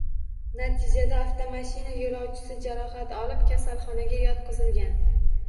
Natijada avtomashina yoʻlovchisi jarohat olib kasalxonaga yotqizilgan.